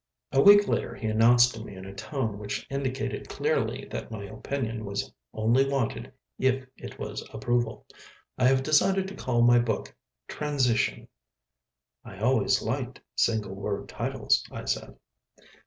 A week later, he announced to me in a tone which indicated clearly that my opinion was only wanted if it was approval, "I have decided to call my book 'Transition.'" "I always like single word titles," I said.